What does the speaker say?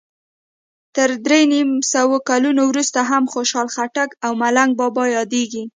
تر درې نیم سوو کلونو وروسته هم خوشال خټک او ملنګ بابا یادیږي.